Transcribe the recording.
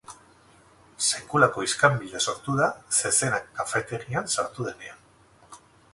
Sekulako iskanbila sortu da zezena kafetegian sartu denean.